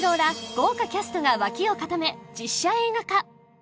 豪華キャストが脇を固め実写映画化